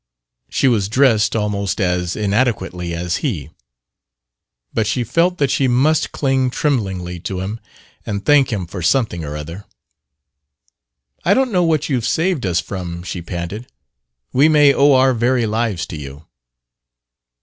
She was dressed almost as inadequately as he, but she felt that she must cling tremblingly to him and thank him for something or other. "I don't know what you've saved us from," she panted. "We may owe our very lives to you!"